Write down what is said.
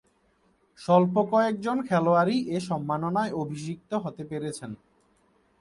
স্বল্প কয়েকজন খেলোয়াড়ই এ সম্মাননায় অভিষিক্ত হতে পেরেছেন।